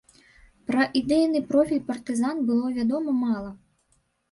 Пра ідэйны профіль партызан было вядома мала.